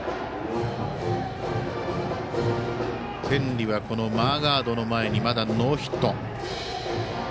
天理はマーガードの前にまだノーヒット。